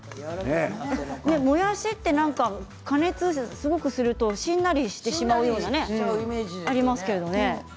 もやしって加熱すごくするとしんなりしてしまうようなねイメージがありますけどね。